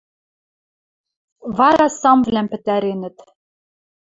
Вара самвлӓм пӹтӓренӹт.